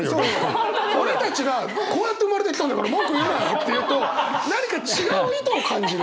俺たちが「こうやって生まれてきたんだから文句言うなよ」って言うと何か違う意図を感じる。